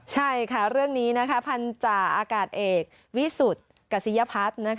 ใช่ค่ะเรื่องนี้พันธาอากาศเอกวิสุทธิ์กษิยพัฒน์